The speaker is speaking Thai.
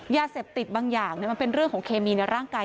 ยาเสพติดบางอย่างมันเป็นเรื่องของเคมีในร่างกาย